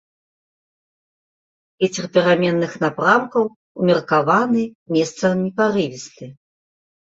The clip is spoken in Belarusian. Вецер пераменных напрамкаў, умеркаваны, месцамі парывісты.